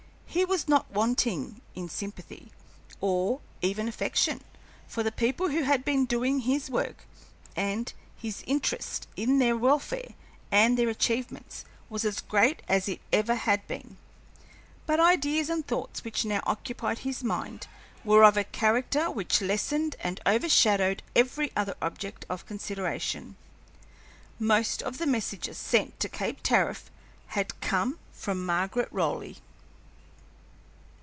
He was not wanting in sympathy, or even affection, for the people who had been doing his work, and his interest in their welfare and their achievements was as great as it ever had been, but the ideas and thoughts which now occupied his mind were of a character which lessened and overshadowed every other object of consideration. Most of the messages sent to Cape Tariff had come from Margaret Raleigh.